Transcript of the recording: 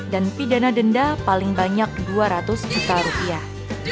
dan pidana denda paling banyak dua ratus juta rupiah